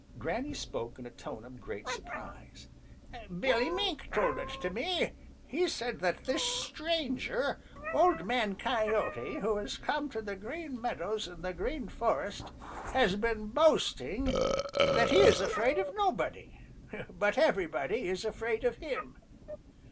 Granny spoke in a tone of great surprise. "Billy Mink told it to me. He said that this stranger, Old Man Coyote, who has come to the Green Meadows and the Green Forest, has been boasting that he is afraid of nobody, but everybody is afraid of him.